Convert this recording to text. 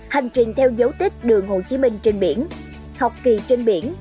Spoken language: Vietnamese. hành trình theo dấu tích đường hồ chí minh trên biển học kỳ trên biển